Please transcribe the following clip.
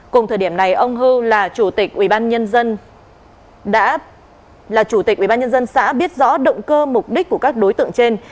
cùng thời điểm này ông hưu là chủ tịch ubnd xã biết rõ động cơ mục đích của các đối tượng trên